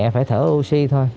phải thở oxy thôi